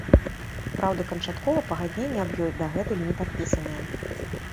Праўда, канчаткова пагадненне аб ёй дагэтуль не падпісанае.